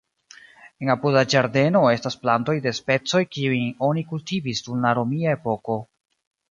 En apuda ĝardeno estas plantoj de specoj kiujn oni kultivis dum la romia epoko.